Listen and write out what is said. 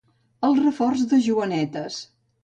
El reforç de Joanetes.